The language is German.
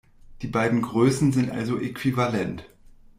Die beiden Größen sind also äquivalent.